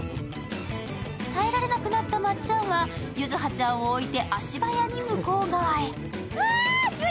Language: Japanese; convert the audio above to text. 耐えられなくなったまっちゃんは柚葉ちゃんを置いて、足早に向こう側へ。